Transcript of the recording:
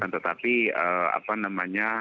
tetapi apa namanya